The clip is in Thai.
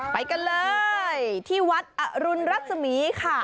ไปกันเลยที่วัดอรุณรัศมีค่ะ